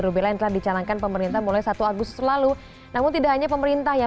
rubella yang telah dicanangkan pemerintah mulai satu agustus lalu namun tidak hanya pemerintah yang